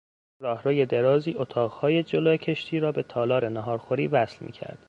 راهرو درازی اتاقهای جلو کشتی را به تالار ناهارخوری وصل میکرد.